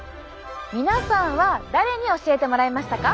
皆さんは誰に教えてもらいましたか？